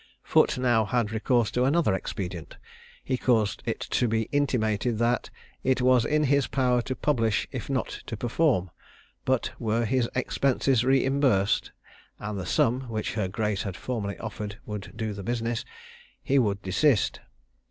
Foote now had recourse to another expedient: He caused it to be intimated "that it was in his power to publish if not to perform; but were his expenses reimbursed (and the sum which her grace had formerly offered would do the business), he would desist."